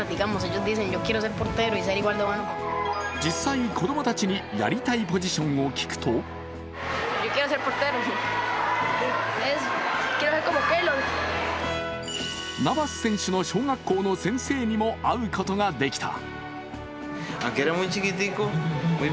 実際、子供たちにやりたいポジションを聞くとナバス選手の小学校の先生にも会うことができた。